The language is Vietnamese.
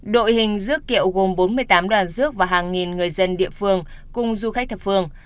đội hình dước kiệu gồm bốn mươi tám đoàn rước và hàng nghìn người dân địa phương cùng du khách thập phương